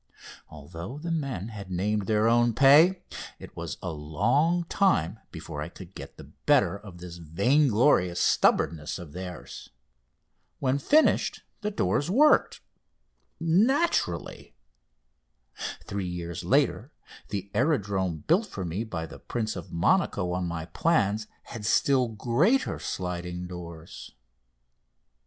Although the men had named their own pay, it was a long time before I could get the better of this vainglorious stubbornness of theirs. When finished the doors worked, naturally. Three years later the aerodrome built for me by the Prince of Monaco on my plans had still greater sliding doors.